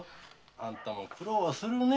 あんたも苦労するね。